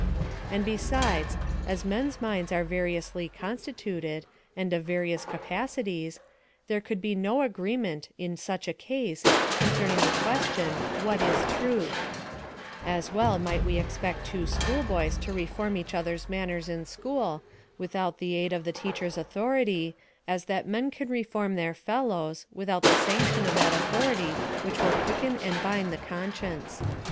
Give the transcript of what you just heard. And, besides, as men's minds are variously constituted, and of variou3 ca pacities, there could he no agreement in such a case concerning the question, ^' W/iai is iruthl^^ As well might we expect two school boys to reform each other's manners in school, without the aid of the teacher's authority, as ihat men can reform their fellows, without the sanction of that authority wliich will quicken and bind the conscience.